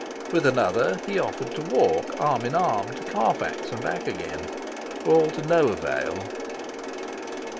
With another he offered to walk, arm in arm, to Carfax and back again. All to no avail.